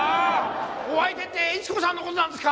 お相手ってイチ子さんの事なんですか！？